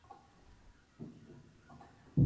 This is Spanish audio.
Habita en bosques de hoja perenne.